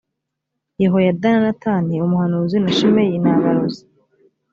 yehoyada na natani umuhanuzi na shimeyi na barozi